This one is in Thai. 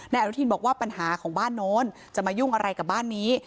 อนุทินบอกว่าปัญหาของบ้านโน้นจะมายุ่งอะไรกับบ้านนี้